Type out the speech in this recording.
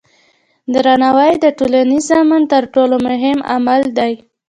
درناوی د ټولنیز امن تر ټولو مهم عامل دی.